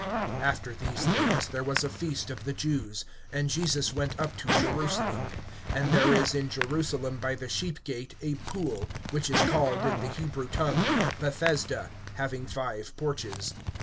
AFTER these things there was a feast of the Jews; and Jesus went up to Jerusalem. (2)And there is in Jerusalem by the sheep gate a pool, which is called in the Hebrew tongue Bethesda, having five porches.